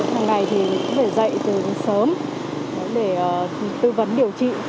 hàng ngày thì dạy từ sớm để tư vấn điều trị